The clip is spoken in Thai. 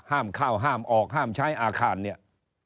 ห้ามเข้าห้ามออกห้ามใช้อาคารเนี่ย